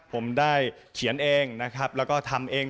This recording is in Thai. ผมได้เขียนเองนะครับแล้วก็ทำเอง